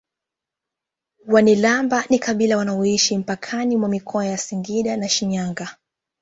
Wanilamba ni kabila wanaoishi mpakani mwa mikoa ya Singida na Shinyanga